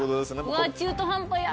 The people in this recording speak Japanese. うわ中途半端嫌。